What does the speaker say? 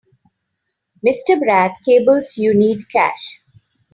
Mr. Brad cables you need cash.